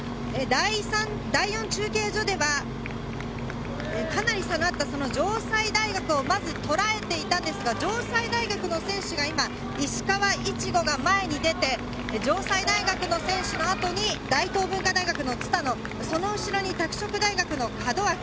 第３、第４中継所ではかなり下がった城西大学をまずとらえていたんですが、城西大学の選手が今、石川苺が前に出て、城西大学の選手の後に大東文化大学の蔦野、その後ろに拓殖大学の門脇。